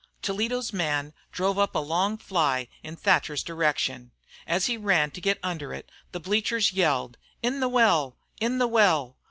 Toledo's man drove up a long fly in Thatcher's direction. As he ran to get under it, the bleachers yelled: "In the well! In the well!"